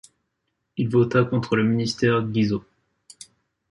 Il vota contre le ministère Guizot.